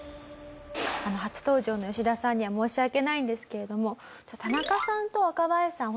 初登場の吉田さんには申し訳ないんですけれども田中さんと若林さん